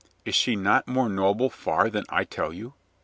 Is she not more noble far than I tell you?"